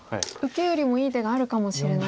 受けよりもいい手があるかもしれないと。